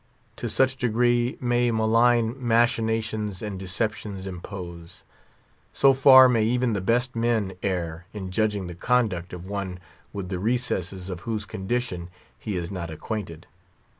To such degree may malign machinations and deceptions impose. So far may even the best man err, in judging the conduct of one with the recesses of whose condition he is not acquainted.